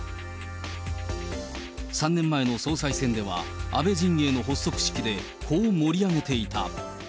３年前の総裁選では、安倍陣営の発足式でこう盛り上げていた。